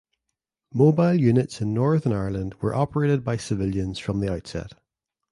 Mobile units in Northern Ireland were operated by civilians from the outset.